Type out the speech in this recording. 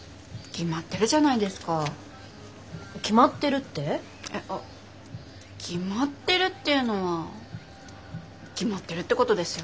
決まってるっていうのは決まってるってことですよ。